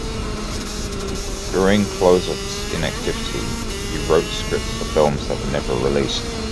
During Clouzot's inactivity, he wrote scripts for films that were never released.